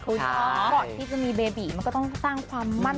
ก่อนที่จะมีเบบีมันก็ต้องสร้างความมั่น